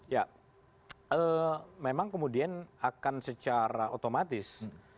ya memang kemudian akan secara otomatis